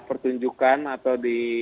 pertunjukan atau di